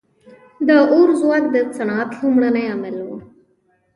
• د اور ځواک د صنعت لومړنی عامل و.